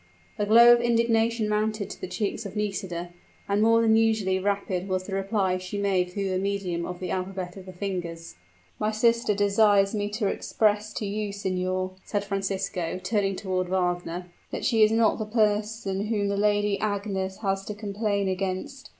A glow of indignation mounted to the cheeks of Nisida; and more than usually rapid was the reply she made through the medium of the alphabet of the fingers. "My sister desires me to express to you, signor," said Francisco, turning toward Wagner, "that she is not the person whom the Lady Agnes has to complain against.